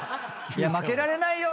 負けられないよ。